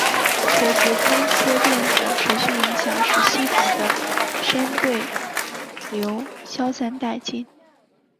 垂直风切变的持续影响使系统的深对流消散殆尽。